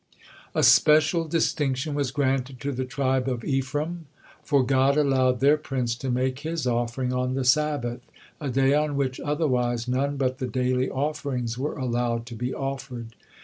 A special distinction was granted to the tribe of Ephraim, for God allowed their prince to make his offering on the Sabbath, a day on which otherwise none but the daily offerings were allowed to be offered.